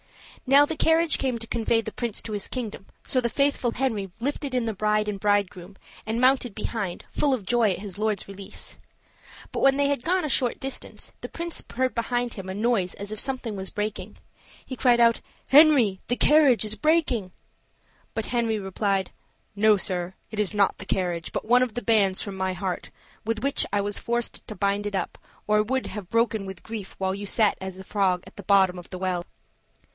Now the carriage came to convey the prince to his kingdom, so the faithful Henry lifted in the bride and bridegroom and mounted behind, full of joy at his lord's release. But when they had gone a short distance, the prince heard behind him a noise as if something was breaking. He cried out, "Henry, the carriage is breaking!" But Henry replied: "No, sir, it is not the carriage but one of the bands from my heart, with which I was forced to bind it up, or it would have broken with grief while you sat as a frog at the bottom of the well."